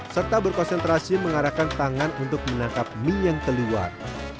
serta berkonsentrasi mengarahkan tangan untuk menangkap mie yang keluar